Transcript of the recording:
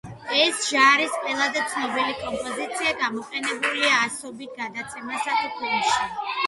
ეს ჟარის ყველაზე ცნობილი კომპოზიცია, გამოყენებული ასობით გადაცემასა თუ ფილმში.